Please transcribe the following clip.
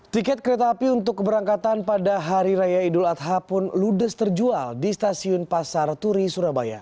tiket kereta api untuk keberangkatan pada hari raya idul adha pun ludes terjual di stasiun pasar turi surabaya